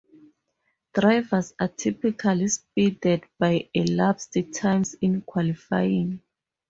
Drivers are typically seeded by elapsed times in qualifying.